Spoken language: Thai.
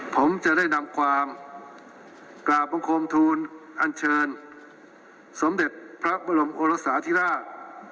ผมจะได้นำความกราบบังคมทูลอันเชิญสมเด็จพระบรมโกรสาธิราช